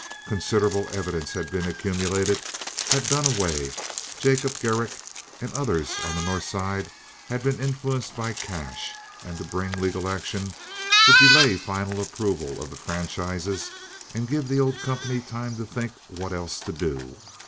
Considerable evidence had accumulated that Duniway, Jacob Gerecht, and others on the North Side had been influenced by cash, and to bring legal action would delay final approval of the franchises and give the old company time to think what else to do.